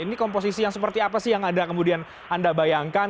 ini komposisi yang seperti apa sih yang ada kemudian anda bayangkan